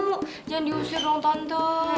jangan diusir dong tante